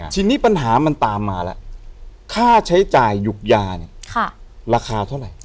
ทีนี้ปัญหามันตามมาแล้วค่าใช้จ่ายหยุบยาเนี่ยราคาเท่าไหร่